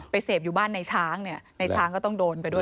เสพอยู่บ้านในช้างเนี่ยในช้างก็ต้องโดนไปด้วย